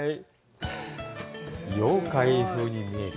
妖怪風に見える？